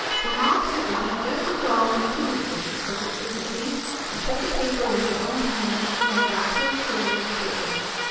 "Perhaps it would be just as well for you to read this," she said with dignity, and put the paper into Ellen's hands, going back to her clearing of the table.